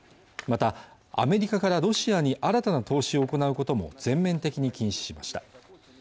またアメリカからロシアに新たな投資を行うことも全面的に禁止しました